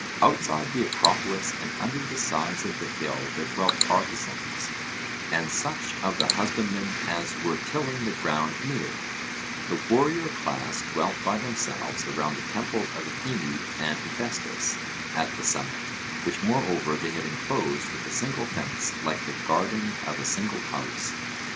Outside the Acropolis and under the sides of the hill there dwelt artisans, and such of the husbandmen as were tilling the ground near; the warrior class dwelt by themselves around the temples of Athene and Hephaestus at the summit, which moreover they had enclosed with a single fence like the garden of a single house.